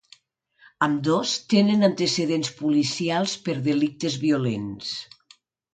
Ambdós tenen antecedents policials per delictes violents.